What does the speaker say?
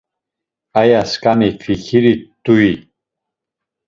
Aya skani fikiri rt̆ui?